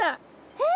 えっ？